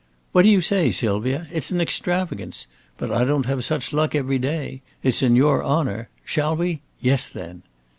"What do you say, Sylvia? It's an extravagance. But I don't have such luck every day. It's in your honor. Shall we? Yes, then!"